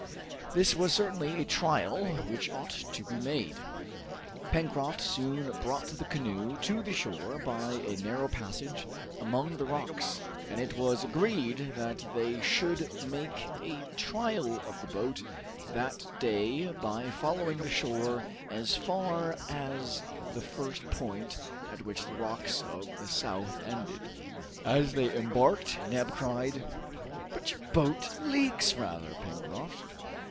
This was certainly a trial which ought to be made. Pencroft soon brought the canoe to the shore by a narrow passage among the rocks, and it was agreed that they should make a trial of the boat that day by following the shore as far as the first point at which the rocks of the south ended. As they embarked, Neb cried, "But your boat leaks rather, Pencroft."